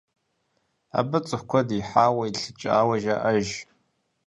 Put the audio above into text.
Абы цӀыху куэд ихьауэ, илӀыкӀауэ жаӀэж.